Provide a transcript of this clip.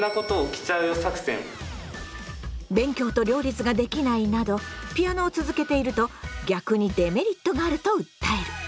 勉強と両立ができないなどピアノを続けていると逆にデメリットがあると訴える。